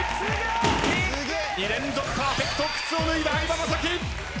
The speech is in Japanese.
２連続パーフェクト靴を脱いだ相葉雅紀！